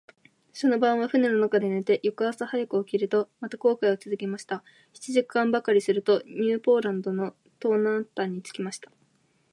その晩は舟の中で寝て、翌朝早く起きると、また航海をつづけました。七時間ばかりすると、ニューポランドの東南端に着きました。